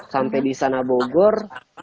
sampai di istana bogor